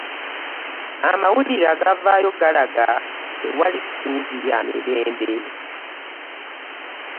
Amawulire agavaayo galaga tewali ssuubi lya mirembe.